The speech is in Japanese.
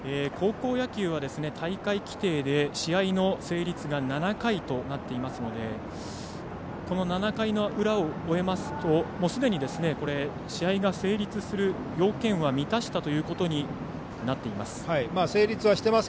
高校野球は大会規定で試合の成立が７回となっていますのでこの７回の裏を終えますとすでに、試合が成立する要件は満たしたということになっています。